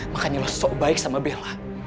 makanya sok baik sama bella